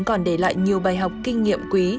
còn để lại nhiều bài học kinh nghiệm quý